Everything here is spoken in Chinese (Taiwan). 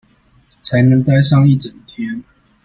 才能待上一整天